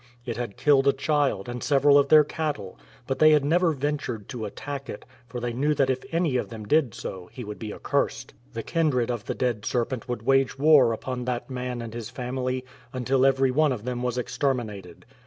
It had killed a child and several of their cattle, but they had never ventured to attack it, for they knew that if any of them did so he would be accursed. The kindred of the dead serpent would wage war upon that man and his family, until every one of them was exterminated.